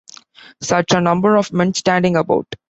Such a number of men standing about!